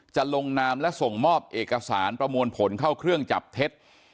จะลงนามและส่งมอบเอกสารประมวลผลเข้าเครื่องจับเท็จ